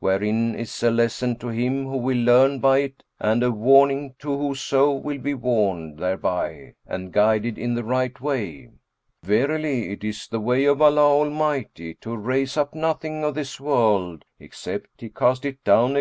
wherein is a lesson to him who will learn by it and a warning to whoso will be warned thereby and guided in the right way, 'Verily it is the way of Allah Almighty to raise up nothing of this world, except He cast it down again?'